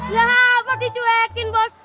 yaa apa dicuekin bos